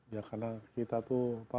ya karena kita tuh